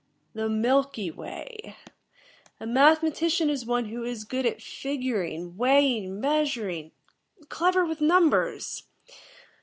"The Milky Way. A mathematician is one who is good at figuring, weighing, measuring, clever with numbers."